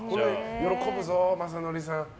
喜ぶぞ、雅紀さん。